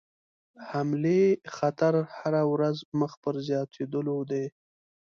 حملې خطر هره ورځ مخ پر زیاتېدلو دی.